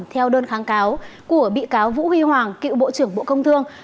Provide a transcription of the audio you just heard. theo đơn kháng cáo của bị cáo vũ huy hoàng cựu bộ trưởng bộ công thương